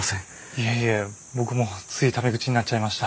いえいえ僕もついタメ口になっちゃいました。